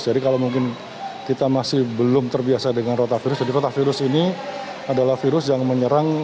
jadi kalau mungkin kita masih belum terbiasa dengan rotavirus jadi rotavirus ini adalah virus yang menyerang